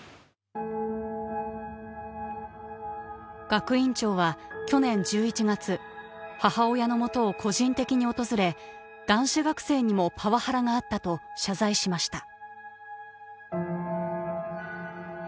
学院長は去年１１月母親のもとを個人的に訪れ男子学生にもパワハラがあったと謝罪しました。